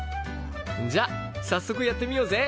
じゃあ早速やってみようぜ。